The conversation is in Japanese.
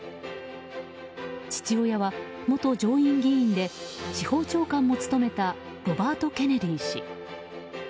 父親は元上院議員で司法長官も務めたロバート・ケネディ氏。